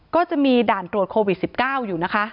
ก็จะมีด่านตรวจโควิด๑๙อยู่นะคะ